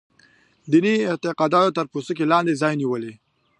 دیني اعتقاداتو تر پوستکي لاندې ځای نیولی.